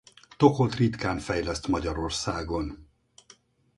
Tokot ritkán fejleszt Magyarországon.